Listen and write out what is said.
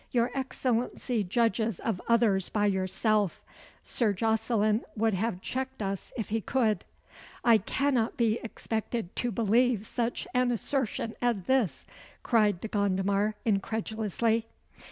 "Your Excellency judges of others by yourself. Sir Jocelyn would have checked us if he could." "I cannot be expected to believe such an assertion as this," cried De Gondomar incredulously.